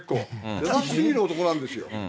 優しすぎる男なんですよ。